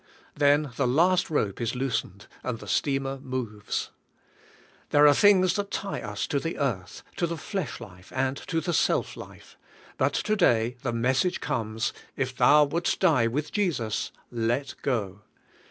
Then the last rope is loosened, and the steamer moves. There are things that tie us to the earth, to the llesh life, and to the self life ; but to day the message comes: "If thou wouldst die with Jesus, let go."